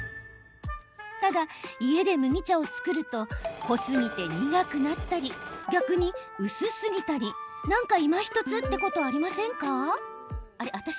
ただ、家で麦茶を作ると濃すぎて苦くなったり逆に薄すぎたりなんか、いまひとつってことありませんか？